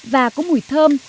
và có mùi thơm